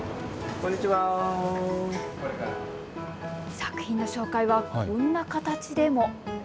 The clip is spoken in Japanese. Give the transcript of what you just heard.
作品の紹介はこんな形でも。